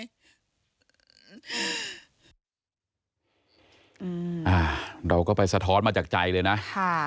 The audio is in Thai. เราก็ไปสะท้อนมาจากใจเลยนะ